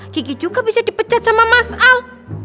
gigi juga bisa dipecat sama mas al